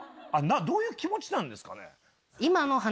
どういう気持ちなんですかね？